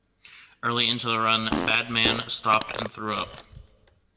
Early into the run, Badmann stopped and threw up.